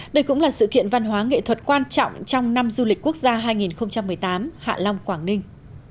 đây cũng là sự kiện văn hóa nghệ thuật quan trọng trong năm du lịch quốc gia hai nghìn một mươi tám hạ long quảng ninh